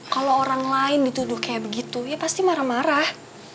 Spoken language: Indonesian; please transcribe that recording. kalau orang lain dituduh kayak begitu ya pasti marah marah